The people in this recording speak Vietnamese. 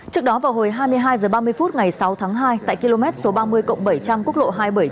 trước đó vào hồi hai mươi hai h ba mươi phút ngày sáu tháng hai tại km số ba mươi cộng bảy trăm linh quốc lộ hai trăm bảy mươi chín